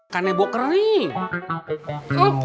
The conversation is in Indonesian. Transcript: kan nebok kering